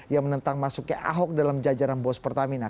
yang menentang masuknya ahok dalam jajaran bos pertamina